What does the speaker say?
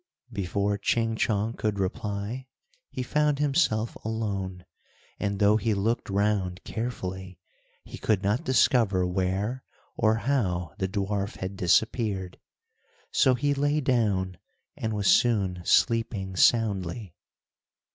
Before Ching Chong could reply, he found himself alone, and though he looked round carefully, he could not discover where, or how the dwarf had disappeared. So he lay down, and was soon sleeping soundly.